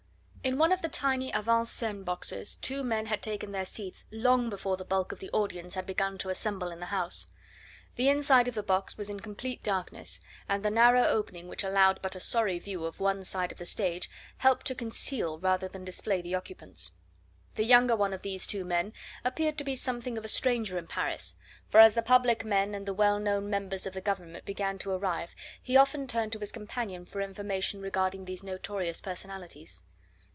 In one of the tiny avant scene boxes two men had taken their seats long before the bulk of the audience had begun to assemble in the house. The inside of the box was in complete darkness, and the narrow opening which allowed but a sorry view of one side of the stage helped to conceal rather than display the occupants. The younger one of these two men appeared to be something of a stranger in Paris, for as the public men and the well known members of the Government began to arrive he often turned to his companion for information regarding these notorious personalities.